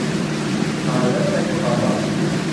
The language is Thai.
อ่านแล้วก็ได้ใจความว่า